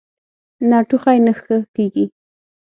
نو ټوخی نۀ ښۀ کيږي -